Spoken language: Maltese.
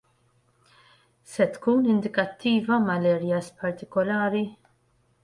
Se tkun indikattiva mal-areas partikolari?